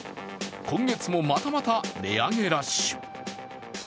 今月もまたまた値上げラッシュ。